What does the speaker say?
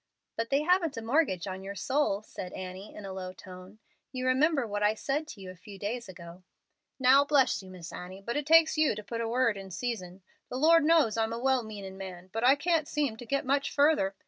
"But they haven't a mortgage on your soul," said Annie, in a low tone. "You remember what I said to you a few days ago." "Now bless you, Miss Annie, but it takes you to put in a 'word in season.' The Lord knows I'm a well meanin' man, but I can't seem to get much furder.